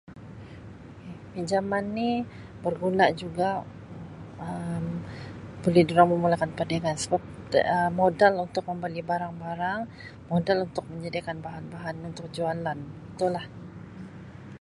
[unintelligible] Jaman ni berguna juga Um boleh durang memulakan perniagaan sebab Um modal untuk membeli barang-barang, modul untuk menyediakan bahan-bahan untuk jualan, tulah